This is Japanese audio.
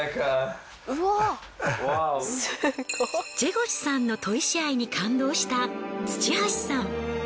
ジェゴシュさんの砥石愛に感動した土橋さん。